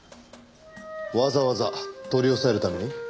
わざわざ取り押さえるために？